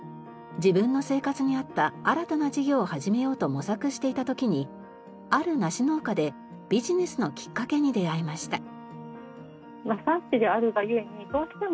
自分の生活に合った新たな事業を始めようと模索していた時にある梨農家でビジネスのきっかけに出合いました。